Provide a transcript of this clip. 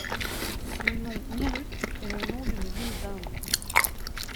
Le nom Meerut est le nom d’une ville d’Inde.